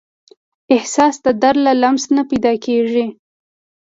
احساس د درد له لمس نه پیدا کېږي.